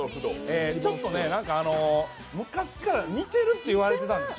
ちょっと昔から似てるって言われてたんです。